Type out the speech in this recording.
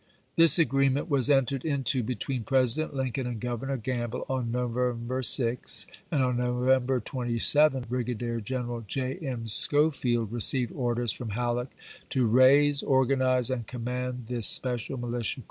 This agreement was entered into be chap. v. tween President Lincoln and Governor Gramble on November 6, and on November 27 Brigadier Gen igei. eral J. M. Schofield received orders from Halleck schofiew, to raise, organize, and command this special militia w.